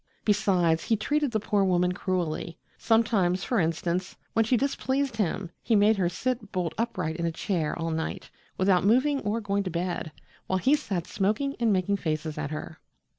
Besides, he treated the poor woman cruelly. Sometimes, for instance, when she displeased him, he made her sit bolt upright in a chair all night, without moving or going to bed, while he sat smoking and making faces at her.